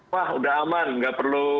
wah udah aman nggak perlu